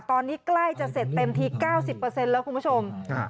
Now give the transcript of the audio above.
ตอนนี้ใกล้จะเสร็จเต็มที๙๐แล้วคุณผู้ชม